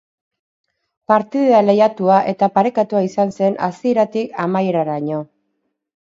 Partida lehiatua eta parekatua izan zen hasieratik amaieraraino.